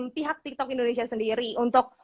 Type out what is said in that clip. pihak tiktok indonesia sendiri untuk